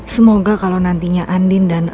semoga kalau nantinya andin dan